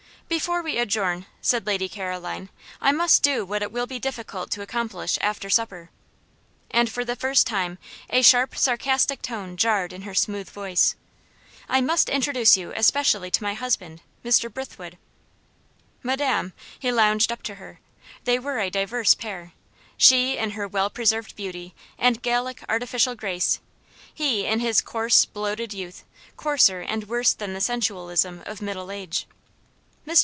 "Before we adjourn," said Lady Caroline, "I must do what it will be difficult to accomplish after supper;" and for the first time a sharp, sarcastic tone jarred in her smooth voice. "I must introduce you especially to my husband. Mr. Brithwood?" "Madam." He lounged up to her. They were a diverse pair. She, in her well preserved beauty, and Gallic artificial grace he, in his coarse, bloated youth, coarser and worse than the sensualism of middle age. "Mr.